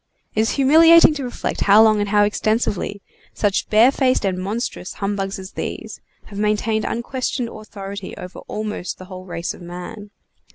It is humiliating to reflect how long and how extensively such barefaced and monstrous humbugs as these have maintained unquestioned authority over almost the whole race of man.